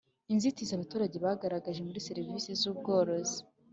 Inzitizi abaturage bagaragaje muri serivisi z ubworozi